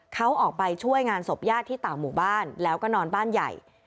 เขาออกไปช่วยงานศพญาติที่ต่างหมู่บ้านแล้วก็นอนบ้านใหญ่